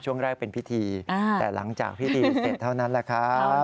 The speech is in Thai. ช่วงแรกเป็นพิธีแต่หลังจากพิธีเสร็จเท่านั้นแหละครับ